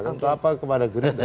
untuk apa kepada gerindra